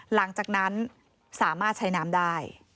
หลังจากนั้นสามารถใช้น้ำได้